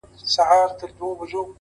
ستا په سترگو کي دي يو عالم خبرې!